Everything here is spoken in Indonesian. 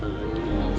aduh lucu suka lucu